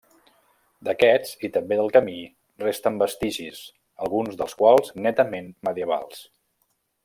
D'aquests, i també del camí, resten vestigis, alguns dels quals netament medievals.